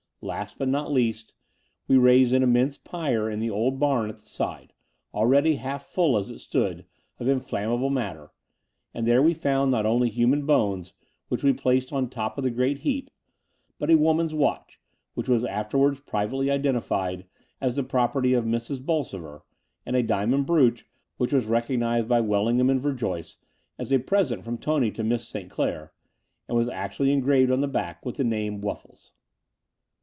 Last, but not least, we raised an immense pyre in the old barn at the side, already half full, as it stood, of inflammable matter : and there we found not only htmian bones, which we placed on top of the great heap, but a woman's watch, which was afterwards privately identified as the property of Mrs. Bolsover, and a diamond brooch, which was recognized by Wellingham and Verjoyce as a present from Tony to Miss St. Clair, and was actually engraved on the back with the name •'Wuffles."